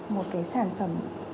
một cái sản phẩm